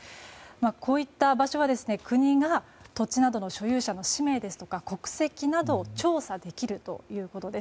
こういった場所は国が土地などの所有者の氏名ですとか国籍などを調査できるということです。